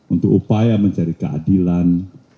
untuk upaya mencari keadilan